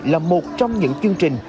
là một trong những chương trình